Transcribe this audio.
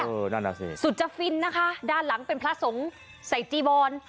นั่นน่ะสิสุดจะฟินนะคะด้านหลังเป็นพระสงฆ์ใส่จีวอน